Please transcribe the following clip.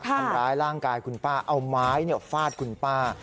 ทำร้ายร่างกายคุณป้าเอาไม้ฟาดคุณป้า